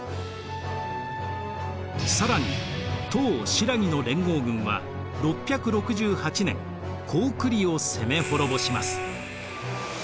更に唐・新羅の連合軍は６６８年高句麗を攻め滅ぼします。